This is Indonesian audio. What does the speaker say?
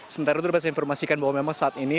sementara itu dapat saya informasikan bahwa memang saat ini